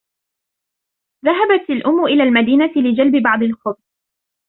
ذهبت الأم إلى المدينة لجلب بعض الخبز.